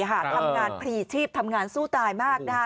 ทำงานพลีชีพทำงานสู้ตายมาก